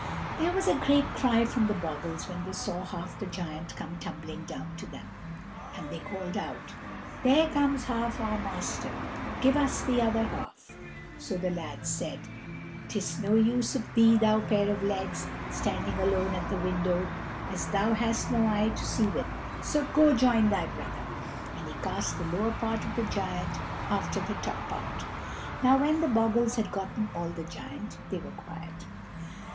There was a great cry from the bogles when they saw half the giant come tumbling down to them, and they called out, "There comes half our master, give us the other half." So the lad said, "It's no use of thee, thou pair of legs, standing alone at the window, as thou hast no eye to see with, so go join thy brother;" and he cast the lower part of the giant after the top part. Now when the bogles had gotten all the giant they were quiet.